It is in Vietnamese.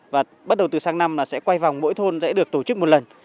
và bắt đầu từ sáng năm là sẽ quay vòng mỗi thôn sẽ được tổ chức một lần